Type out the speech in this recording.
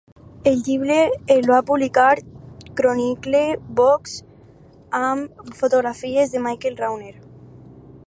El llibre el va publicar Chronicle Books amb fotografies de Michael Rauner.